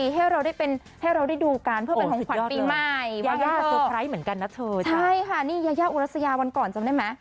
ให้เราได้ดูกันเพื่อเป็นของขวัญปีใหม่